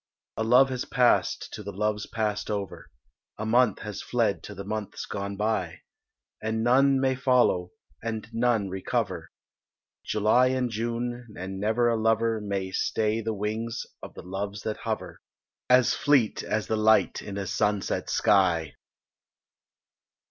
A love has passed to the loves passed over, A month has fled to the months gone by; And none may follow, and none recover July and June, and never a lover May stay the wings of the Loves that hover, As fleet as the light in a sunset sky.